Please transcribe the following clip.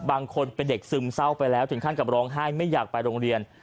บางคนเป็นเด็กซึมเศร้าไปแล้วถึงขั้นกับร้องไห้ไม่อยากไปโรงเรียน